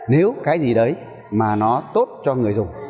nếu cái gì đấy mà nó tốt cho người dùng